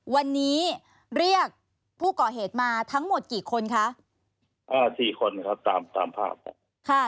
วันนี้เรียกผู้เกาะเหตุมาทั้งหมดกี่คนคะ